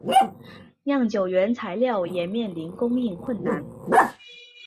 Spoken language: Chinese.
酿酒原材料也面临供应困难。